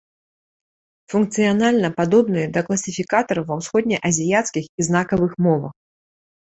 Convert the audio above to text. Функцыянальна падобныя да класіфікатараў ва ўсходне-азіяцкіх і знакавых мовах.